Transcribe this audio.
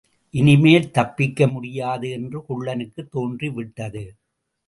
இனிமேல் தப்பிக்க முடியாது என்று குள்ளனுக்குத் தோன்றிவிட்டது.